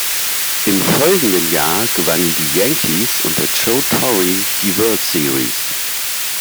Im folgenden Jahr gewannen die Yankees unter Joe Torre die World Series.